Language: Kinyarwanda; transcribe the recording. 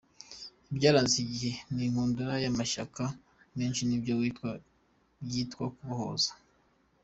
Ibyaranze iki gihe ni inkundura y’amashyaka menshi n’ibyo yitwaje byitwa kubohoza.